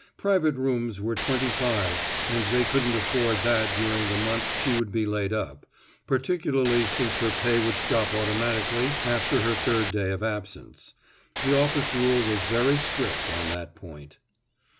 Private rooms were twenty five and they couldn't afford that during the month she would be laid up, particularly since her pay would stop automatically after her third day of absence. The office rule was very strict on that point.